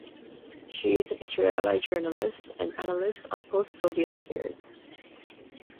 She is an Israeli journalist and an analyst on post-Soviet affairs.